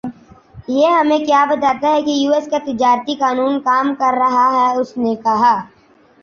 یہ ہمیں کِیا بتاتا ہے کہ یوایس کا تجارتی قانون کام کر رہا ہے اس نے کہا